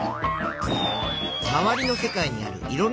まわりの世界にあるいろんなふしぎ。